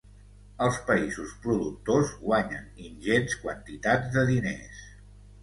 Els països productors guanyen ingents quantitats de diners.